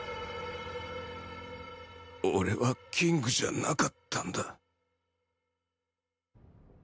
俺はキングじゃなかったんだ